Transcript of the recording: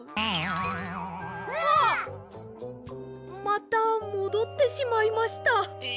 またもどってしまいました。え！？